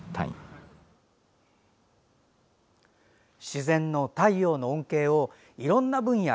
自然の太陽の恩恵をいろんな分野